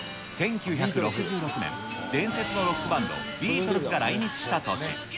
１９６６年、伝説のロックバンド、ビートルズが来日した年。